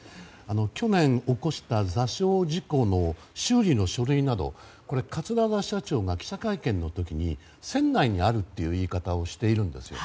去年起こした座礁事故の修理の書類など桂田社長が記者会見の時に船内にあるという言い方をしているんですよ。